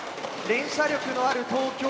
連射力のある東京Ｂ。